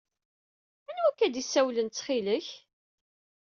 Anwa akka d-isawalen, ttxil-k?